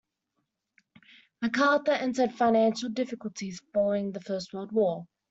McArthur entered financial difficulties following the First World War.